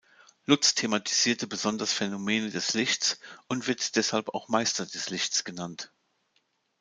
Lutz thematisierte besonders Phänomene des Lichts und wird deshalb auch „Meister des Lichts“ genannt.